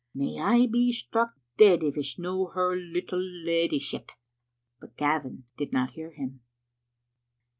May I be struck dead if it's no' her little leddyship." But Gavin did not hear him.